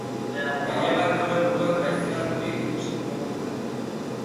Gehienbat neure burua traizionaturik ikusi nuenetan.